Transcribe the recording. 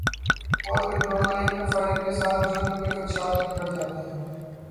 Over control line پر firing کے ساتھ جنگ کے خدشات بھی بڑھ جاتے ہیں۔